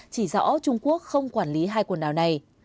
chỉ rõ trung quốc không quản lý hai quần đảo này